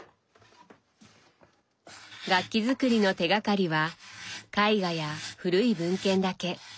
楽器作りの手がかりは絵画や古い文献だけ。